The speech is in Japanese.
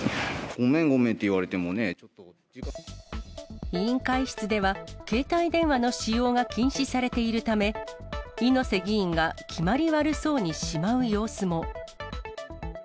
ごめん、ごめんって言われて委員会室では、携帯電話の使用が禁止されているため、猪瀬議員がきまり悪そうにしまう様子も。